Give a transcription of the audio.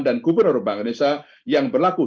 dan gubernur bank indonesia yang berlaku